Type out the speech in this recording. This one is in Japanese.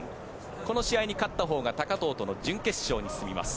この試合に勝ったほうが高藤との準決勝に進みます。